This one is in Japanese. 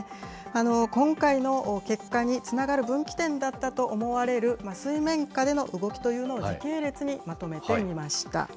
今回の結果につながる分岐点だったと思われる水面下での動きというのを時系列にまとめてみました。